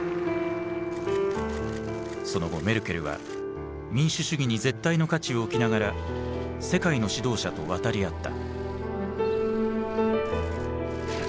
その後メルケルは民主主義に絶対の価値を置きながら世界の指導者と渡り合った。